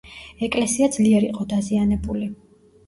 ეკლესია ძლიერ იყო დაზიანებული.